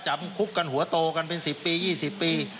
จำคุกกันหัวโตกันเป็น๑๐ปี๒๐ปี